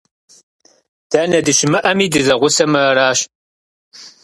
Дэнэ дыщымыӀэми, дызэгъусэмэ аращ.